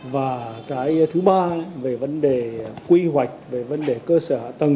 và cái thứ ba về vấn đề quy hoạch về vấn đề cơ sở tầng